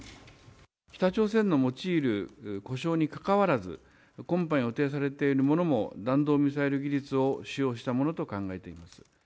北朝鮮の用いる呼称にかかわらず、今般予定されているものも弾道ミサイル技術を使用したものと考え